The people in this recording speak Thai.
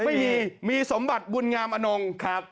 ไม่มีมีสมบัติบุญงามอนงครับ